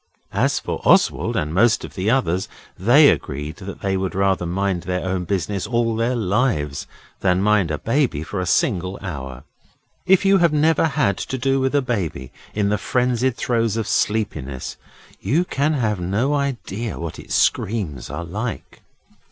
As for Oswald and most of the others, they agreed that they would rather mind their own business all their lives than mind a baby for a single hour. If you have never had to do with a baby in the frenzied throes of sleepiness you can have no idea what its screams are like.